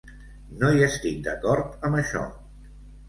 No hi estic d'acord amb això.